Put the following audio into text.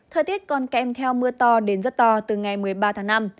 thời tiết còn kèm theo mưa to đến rất to từ ngày một mươi ba tháng năm